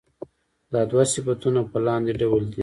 دا دوه صفتونه په لاندې ډول دي.